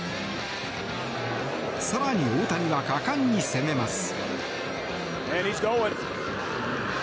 更に大谷は果敢に攻めます。